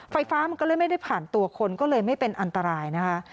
ไฟฟ้ามันก็เลยไม่ได้ผ่านตัวคนก็เลยไม่เป็นอันตรายนะคะ